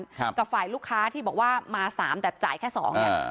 กับฝ่ายลูกค้าที่บอกว่ามาสามแต่จ่ายแค่สองเนี้ยอ่า